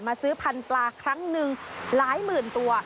ซื้อพันธุ์ปลาครั้งหนึ่งหลายหมื่นตัว